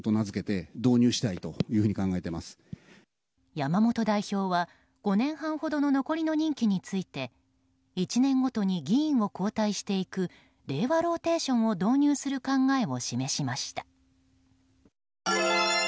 山本代表は５年半ほどの残りの任期について１年ごとに議員を交代していくれいわローテーションを導入する考えを示しました。